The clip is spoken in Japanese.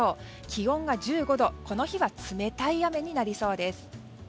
気温が１５度、この日は冷たい雨になりそうです。